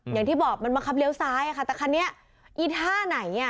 อย่างที่บอกมันมาขับเลี้ยวซ้ายไหมคะแต่คันนี้ไอ้ท่าไหนไอ้นี่